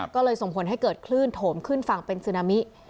ก็เลยส่งผลให้เกิดคลื่นโถมขึ้นฝั่งเป็นซึนามิ